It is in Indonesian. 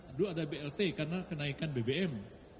aduh ada blt karena kenaikan bbm